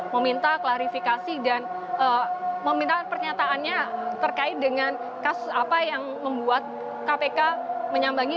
meminta klarifikasi dan meminta pernyataannya terkait dengan kasus apa yang membuat kpk menyambangi